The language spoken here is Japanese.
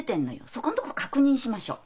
そこんとこ確認しましょう。